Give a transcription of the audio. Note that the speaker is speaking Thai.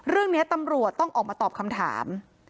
เรื่องนี้ตำรวจต้องออกมาตอบคำถาม